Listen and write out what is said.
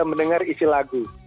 mereka mendengar isi lagu